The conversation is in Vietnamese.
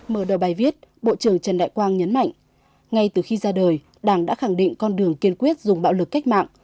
mở đầu bài viết bộ trưởng trần đại quang nhấn mạnh ngay từ khi ra đời đảng đã khẳng định con đường kiên quyết dùng bạo lực cách mạng